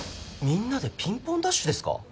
みんなでピンポンダッシュですか？